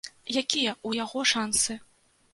Якія ў яго шансы?